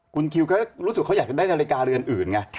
คุณคิวก็รู้สึกเขาอยากจะได้นาฬิกาเรือนอื่นไง